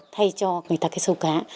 thay cho người ta cái sâu cá